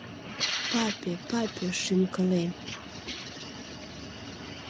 Папе, папе, шӱм-кылем!..